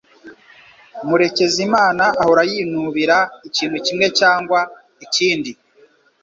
Murekezimana ahora yinubira ikintu kimwe cyangwa ikindi.